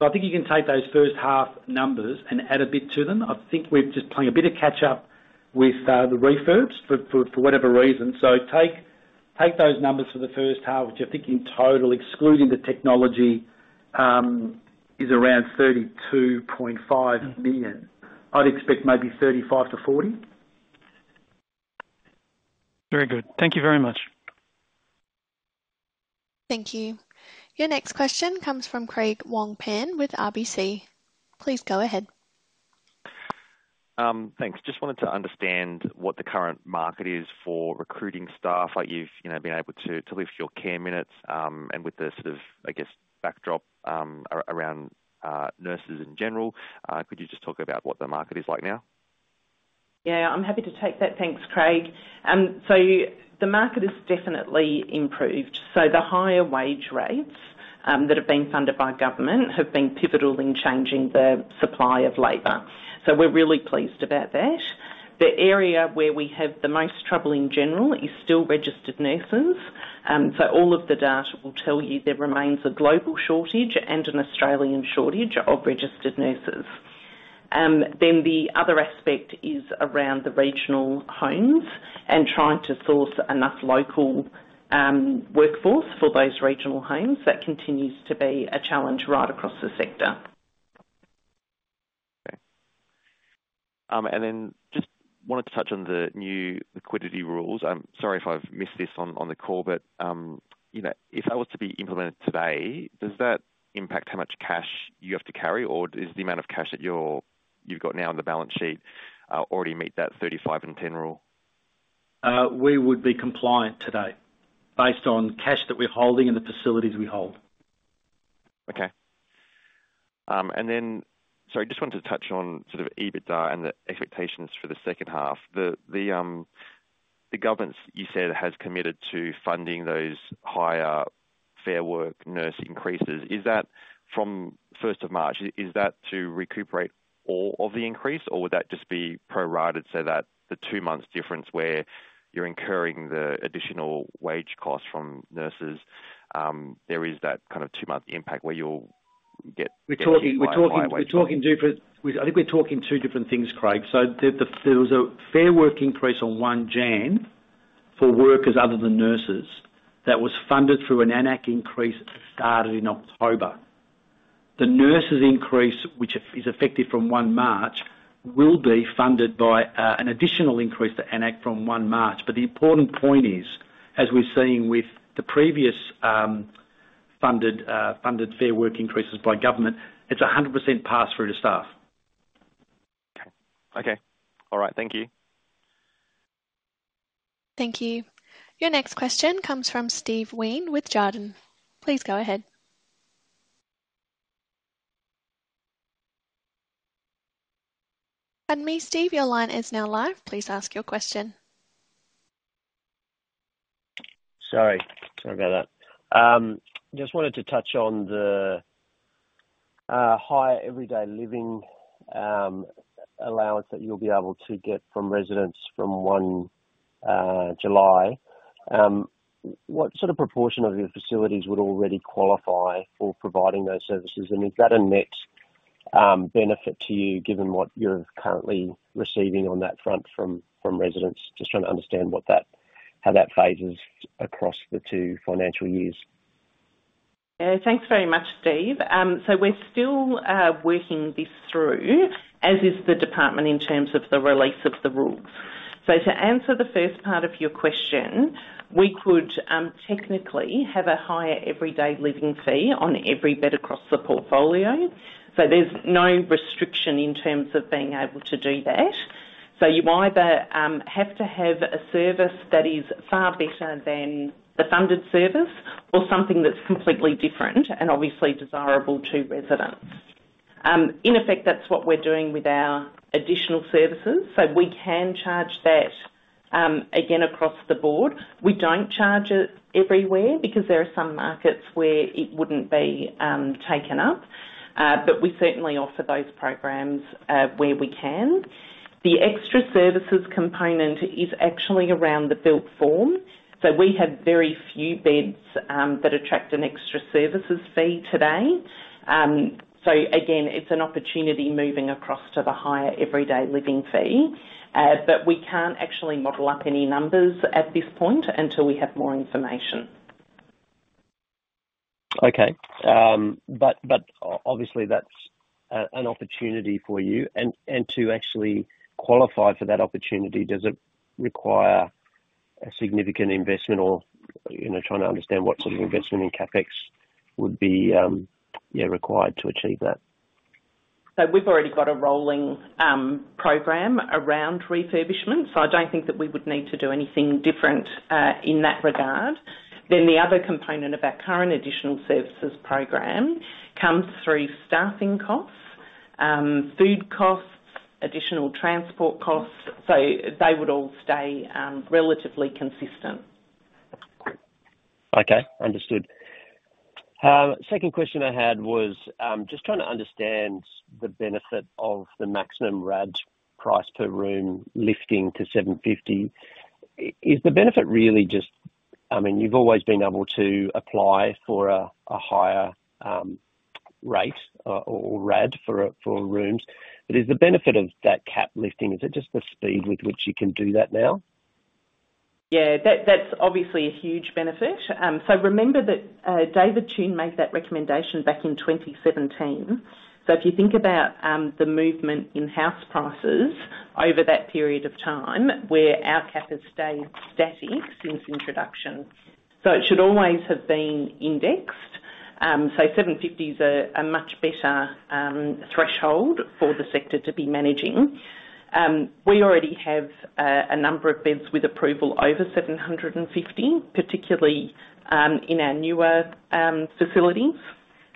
So I think you can take those first half numbers and add a bit to them. I think we're just playing a bit of catch-up with the refurbs for whatever reason. So take those numbers for the first half, which I think in total, excluding the technology, is around 32.5 million. I'd expect maybe 35 million-40 million. Very good. Thank you very much. Thank you. Your next question comes from Craig Wong-Pan with RBC. Please go ahead. Thanks. Just wanted to understand what the current market is for recruiting staff, like you've been able to lift your care minutes. And with the sort of, I guess, backdrop around nurses in general, could you just talk about what the market is like now? Yeah.I'm happy to take that. Thanks, Craig. So the market has definitely improved. So the higher wage rates that have been funded by government have been pivotal in changing the supply of labor. So we're really pleased about that. The area where we have the most trouble in general is still registered nurses. So all of the data will tell you there remains a global shortage and an Australian shortage of registered nurses. Then the other aspect is around the regional homes and trying to source enough local workforce for those regional homes. That continues to be a challenge right across the sector. Okay. And then just wanted to touch on the new liquidity rules. Sorry if I've missed this on the call, but if that was to be implemented today, does that impact how much cash you have to carry, or does the amount of cash that you've got now on the balance sheet already meet that 35 and 10 rule? We would be compliant today based on cash that we're holding and the facilities we hold. Okay. And then, sorry, just wanted to touch on sort of EBITDA and the expectations for the second half. The government, you said, has committed to funding those higher Fair Work nurse increases. Is that from 1st of March? Is that to recuperate all of the increase, or would that just be pro-rata so that the two-month difference where you're incurring the additional wage cost from nurses, there is that kind of two-month impact where you'll get? We're talking two different things, I think we're talking two different things, Craig. So there was a Fair Work increase on 1 January for workers other than nurses that was funded through an AN-ACC increase started in October. The nurses' increase, which is effective from 1 March, will be funded by an additional increase to AN-ACC from 1 March. But the important point is, as we're seeing with the previous funded Fair Work increases by government, it's 100% passed through to staff. Okay. Okay. All right. Thank you. Thank you. Your next question comes from Steve Wheen with Jarden. Please go ahead. And Steve, your line is now live. Please ask your question. Sorry. Sorry about that. Just wanted to touch on the higher everyday living allowance that you'll be able to get from residents from 1 July. What sort of proportion of your facilities would already qualify for providing those services? And is that a net benefit to you, given what you're currently receiving on that front from residents? Just trying to understand how that phases across the two financial years. Yeah. Thanks very much, Steve. So we're still working this through, as is the department in terms of the release of the rules. So to answer the first part of your question, we could technically have a higher everyday living fee on every bed across the portfolio. So there's no restriction in terms of being able to do that. So you either have to have a service that is far better than the funded service or something that's completely different and obviously desirable to residents. In effect, that's what we're doing with our additional services. So we can charge that again across the board. We don't charge it everywhere because there are some markets where it wouldn't be taken up. But we certainly offer those programs where we can. The extra services component is actually around the built form. So we have very few beds that attract an extra services fee today. So again, it's an opportunity moving across to the higher everyday living fee. But we can't actually model up any numbers at this point until we have more information. Okay. But obviously, that's an opportunity for you. And to actually qualify for that opportunity, does it require a significant investment or trying to understand what sort of investment in CapEx would be required to achieve that? So we've already got a rolling program around refurbishment. So I don't think that we would need to do anything different in that regard. Then the other component of our current additional services program comes through staffing costs, food costs, additional transport costs. So they would all stay relatively consistent. Okay. Understood. Second question I had was just trying to understand the benefit of the maximum RAD price per room lifting to 750. Is the benefit really just - I mean, you've always been able to apply for a higher rate or RAD for rooms. But is the benefit of that cap lifting, is it just the speed with which you can do that now? Yeah. That's obviously a huge benefit. So remember that David Tune made that recommendation back in 2017. So if you think about the movement in house prices over that period of time where our cap has stayed static since introduction. So it should always have been indexed. So 750 is a much better threshold for the sector to be managing. We already have a number of beds with approval over 750, particularly in our newer facilities,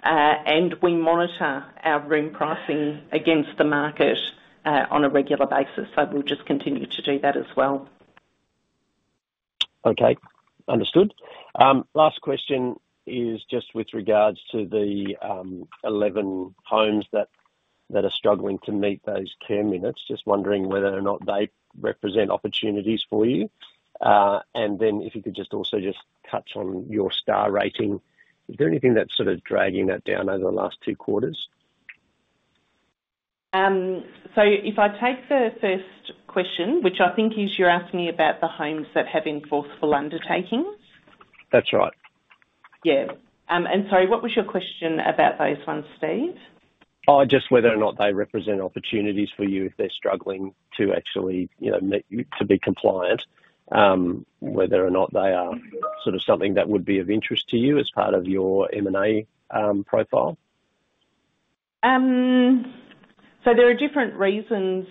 and we monitor our room pricing against the market on a regular basis, so we'll just continue to do that as well. Okay. Understood. Last question is just with regards to the 11 homes that are struggling to meet those care minutes. Just wondering whether or not they represent opportunities for you. And then if you could just also touch on your Star Rating. Is there anything that's sort of dragging that down over the last two quarters? So if I take the first question, which I think you're asking me about the homes that have enforceable undertakings. That's right. Yeah, and sorry, what was your question about those ones, Steve? Just whether or not they represent opportunities for you if they're struggling to actually meet to be compliant, whether or not they are sort of something that would be of interest to you as part of your M&A profile. So there are different reasons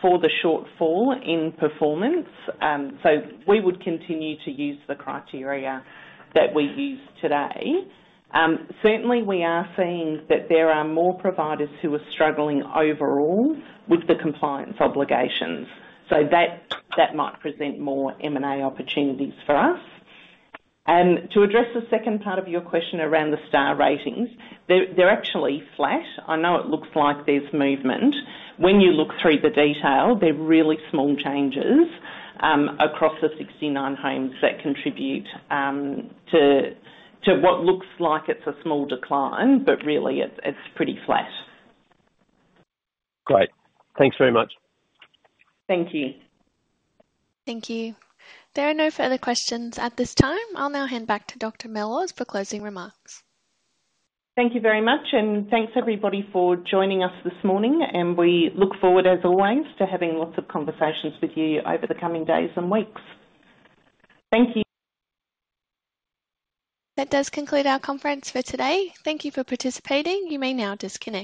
for the shortfall in performance. So we would continue to use the criteria that we use today. Certainly, we are seeing that there are more providers who are struggling overall with the compliance obligations. So that might present more M&A opportunities for us. And to address the second part of your question around the Star Ratings, they're actually flat. I know it looks like there's movement. When you look through the detail, they're really small changes across the 69 homes that contribute to what looks like it's a small decline, but really it's pretty flat. Great. Thanks very much. Thank you. Thank you. There are no further questions at this time. I'll now hand back to Dr. Mellors for closing remarks. Thank you very much. And thanks, everybody, for joining us this morning. And we look forward, as always, to having lots of conversations with you over the coming days and weeks. Thank you. That does conclude our conference for today. Thank you for participating. You may now disconnect.